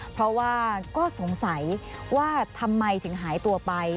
เพราะว่าก็สงสัยว่าทำไมถึงหายตัวไป